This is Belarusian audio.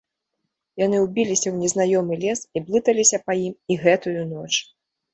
Яны ўбіліся ў незнаёмы лес і блыталіся па ім і гэтую ноч.